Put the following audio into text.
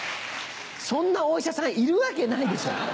そんなお医者さんいるわけないでしょ！